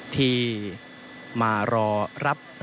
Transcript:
ที่มารอรับรับรัก